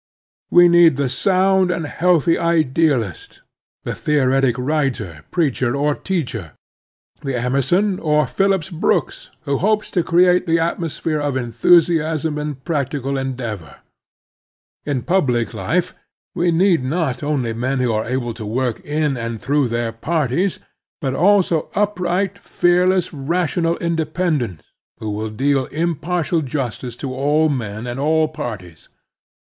We need the sound and healthy idealist; the theoretic writer, preacher, or teacher; the Emerson or Phillips Brooks, who helps to create the atmosphere of enthusiasm and practical endeavor. In public life we need not only men who are able to work in and through their parties, but also upright, fearless, rational independents, who will deal im partial justice to all men and all parties.